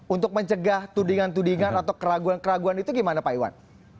untuk mencegah tudingan tudingan atau keraguan keraguan itu gimana pak iwan